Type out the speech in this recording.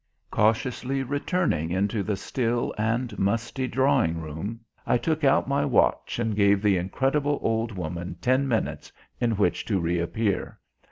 Cautiously returning into the still and musty drawing room, I took out my watch and gave the incredible old woman ten minutes in which to reappear.